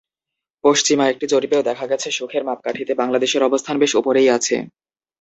পশ্চিমা একটি জরিপেও দেখা গেছে, সুখের মাপকাঠিতে বাংলাদেশের অবস্থান বেশ ওপরেই আছে।